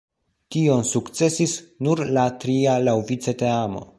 Tion sukcesis nur la tria laŭvice teamo.